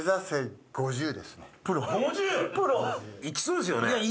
いきそうですよね？